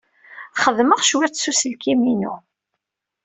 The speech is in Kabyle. Xedmeɣ cwiṭ s uselkim-inu.